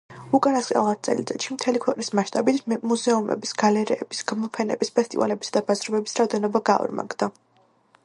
უკანასკნელ ათ წელიწადში მთელი ქვეყნის მასშტაბით მუზეუმების, გალერეების, გამოფენების, ფესტივალებისა და ბაზრობების რაოდენობა გაორმაგდა.